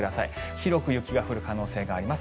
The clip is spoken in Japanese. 広く雪が降る可能性があります。